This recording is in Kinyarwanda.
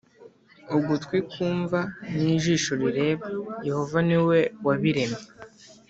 Ugutwi kumva n ijisho rireba Yehova ni we wabiremye